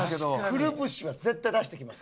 くるぶしは絶対出してきます。